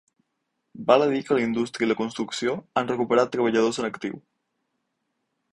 Val a dir que la indústria i la construcció han recuperat treballadors en actiu.